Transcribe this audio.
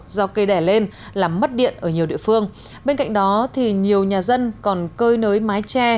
do cây đẻ lên làm mất điện ở nhiều địa phương bên cạnh đó thì nhiều nhà dân còn cơi nới mái tre